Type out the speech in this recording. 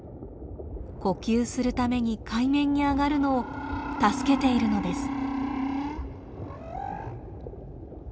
呼吸するために海面に上がるのを助けているのです。